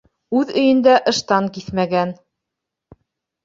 Үҙ өйөндә ыштан киҫмәгән.